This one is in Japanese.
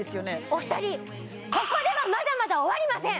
お二人ここではまだまだ終わりません！